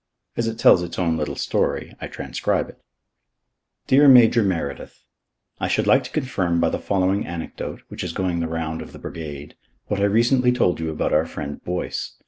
As it tells its own little story, I transcribe it. "Dear Major Meredyth: "I should like to confirm by the following anecdote, which is going the round of the Brigade, what I recently told you about our friend Boyce.